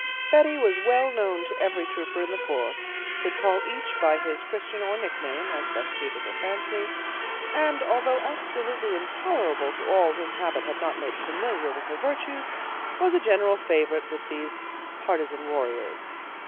Betty was well known to every trooper in the corps, could call each by his Christian or nickname, as best suited her fancy; and, although absolutely intolerable to all whom habit had not made familiar with her virtues, was a general favorite with these partisan warriors.